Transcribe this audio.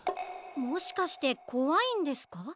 もしかしてこわいんですか？